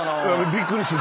びっくりする。